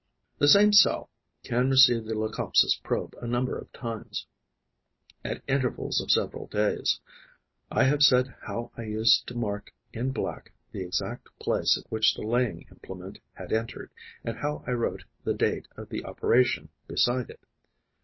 The same cell can receive the Leucopsis' probe a number of times, at intervals of several days. I have said how I used to mark in black the exact place at which the laying implement had entered and how I wrote the date of the operation beside it.